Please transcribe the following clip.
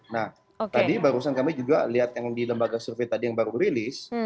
nah tadi barusan kami juga lihat yang di lembaga survei tadi yang baru rilis